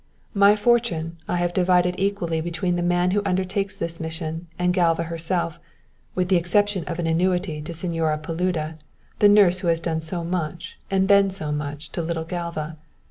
_ "_My fortune, I have divided equally between the man who undertakes this mission and Galva herself, with the exception of an annuity to Señora Paluda, the nurse who has done so much and been so much to little Galva.